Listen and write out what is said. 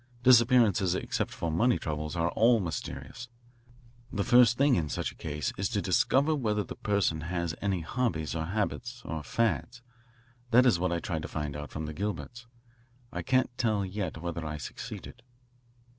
Disappearances except for money troubles are all mysterious. The first thing in such a case is to discover whether the person has any hobbies or habits or fads. That is what I tried to find out from the Gilberts. I can't tell yet whether I succeeded."